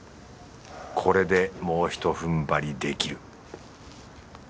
これでもうひと踏ん張りできる。